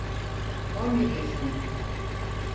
On bir yaşında…